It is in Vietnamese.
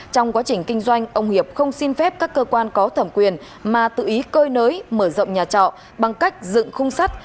trong quá trình kinh doanh ông hiệp không xin phép các cơ quan có thẩm quyền mà tự ý cơi nới mở rộng nhà trọ bằng cách dựng khung sắt